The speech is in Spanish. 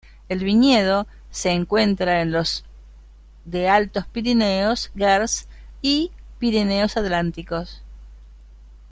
El viñedo se encuentra en los de Altos Pirineos, Gers y Pirineos Atlánticos.